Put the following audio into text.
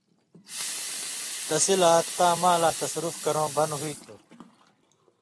تسی لا تاں مالاں تصرُف کرؤں بند ہُوئ تھُو۔